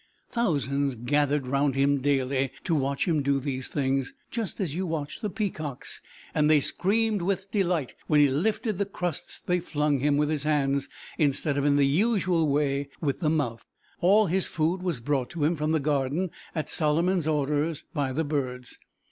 Thousands gathered round him daily to watch him do these things, just as you watch the peacocks, and they screamed with delight when he lifted the crusts they flung him with his hands instead of in the usual way with the mouth. All his food was brought to him from the Gardens at Solomon's orders by the birds.